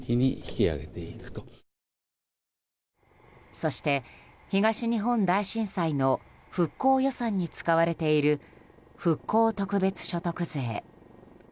そして、東日本大震災の復興予算に使われている復興特別所得税。